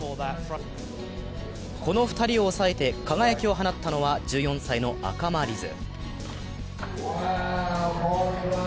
この２人を押さえて輝きを放ったのは１４歳の赤間凛音。